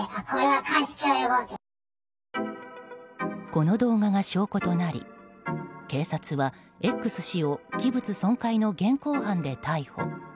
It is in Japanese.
この動画が証拠となり警察はＸ氏を器物損壊の現行犯で逮捕。